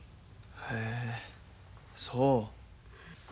へえそう。